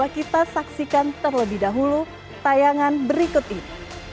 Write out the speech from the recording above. kita saksikan terlebih dahulu tayangan berikut ini